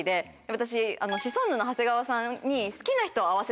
私シソンヌの長谷川さんに。